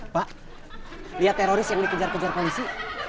pak lihat teroris yang dikejar kejar polisi